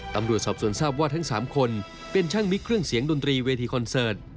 ตำรวจสอบสวนทราบว่าทั้ง๓คนเป็นช่างมิกเครื่องเสียงดนตรีเวทีคอนเสิร์ต